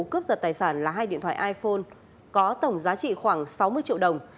cướp giật tài sản là hai điện thoại iphone có tổng giá trị khoảng sáu mươi triệu đồng